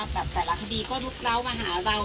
แต่ละคดีก็ลุกเล้ามาหาเรา